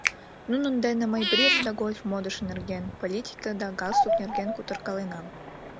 Нунын дене мый бридж да гольф модыш нерген, политике да галстук нерген кутыркаленам.